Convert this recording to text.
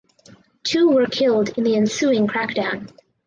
Two were killed in the ensuing crackdown.